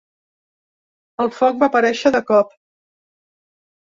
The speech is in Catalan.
El foc va aparèixer de cop.